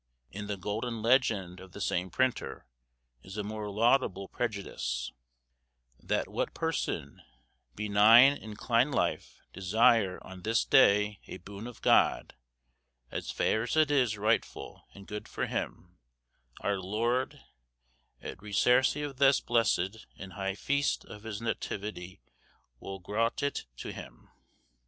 In the 'Golden Legend,' of the same printer, is a more laudable prejudice, "That what persone, beynge in clene lyfe, desyre on thys daye a boone of God; as ferre as it is ryghtfull and good for hym; our lorde at reuerēce of thys blessid and hye feste of his Natiuite wol graūt it to hym."